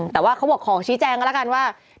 แต่ว่าเขาก็บอกขอชิ้นแจ้งกันแล้วกัน